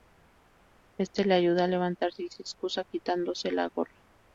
Este le ayuda a levantarse y se excusa quitándose la gorra.